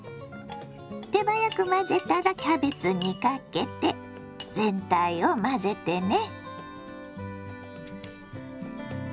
手早く混ぜたらキャベツにかけて全体を混ぜてね。